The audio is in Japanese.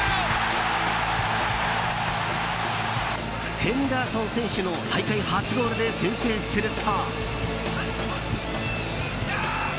ヘンダーソン選手の大会初ゴールで先制すると。